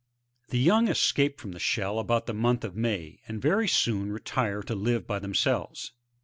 The young escape from the shell about the month of May, and very soon retire to live by themselves.